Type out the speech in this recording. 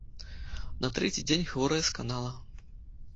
На трэці дзень хворая сканала.